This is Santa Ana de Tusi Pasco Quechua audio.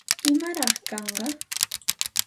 ¿Imaraq kanqa?